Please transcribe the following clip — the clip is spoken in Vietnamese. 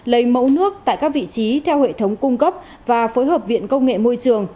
lấy mẫu nước tại các vị trí theo hệ thống cung cấp và phối hợp viện công nghệ môi trường